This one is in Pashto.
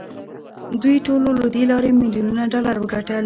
دوی ټولو له دې لارې میلیونونه ډالر وګټل